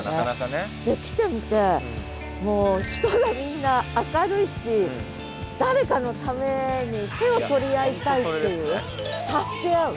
来てみてもう人がみんな明るいし誰かのために手を取り合いたいっていう助け合う。